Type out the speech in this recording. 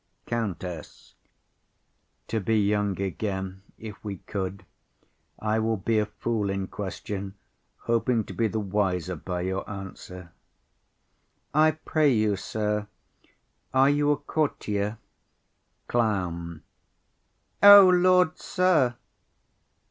COUNTESS. To be young again, if we could: I will be a fool in question, hoping to be the wiser by your answer. I pray you, sir, are you a courtier? CLOWN. O Lord, sir!